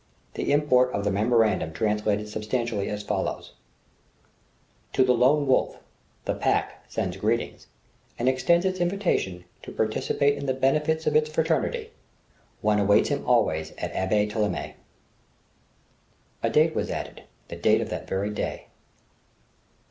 The import of the memorandum translated substantially as follows: _"To the Lone Wolf "The Pack sends Greetings "and extends its invitation "to participate in the benefits "of its Fraternity. "One awaits him always at "L'Abbaye Thêléme."_ A date was added, the date of that very day...